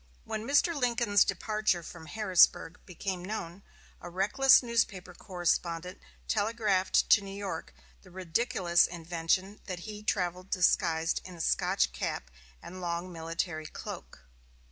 When Mr. Lincoln's departure from Harrisburg became known, a reckless newspaper correspondent telegraphed to New York the ridiculous invention that he traveled disguised in a Scotch cap and long military cloak.